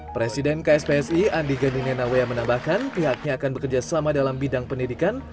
presiden kspsi andi gandine nawea menambahkan pihaknya akan bekerja selama dalam bidang pendidikan